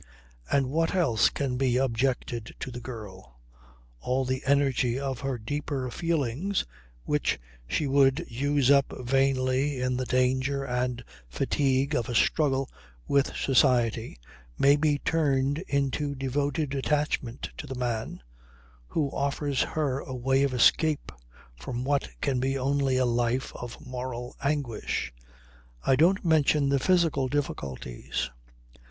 And what else can be objected to the girl? All the energy of her deeper feelings, which she would use up vainly in the danger and fatigue of a struggle with society may be turned into devoted attachment to the man who offers her a way of escape from what can be only a life of moral anguish. I don't mention the physical difficulties."